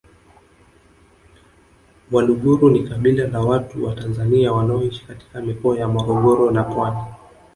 Waluguru ni kabila la watu wa Tanzania wanaoishi katika mikoa ya Morogoro na Pwani